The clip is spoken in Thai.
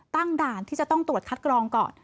ตั้งด่านที่จะต้องตรวจคัดกรองก่อน